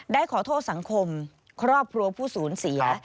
ได้ขอโทษสังคมครอบครัวผู้สูญเสีย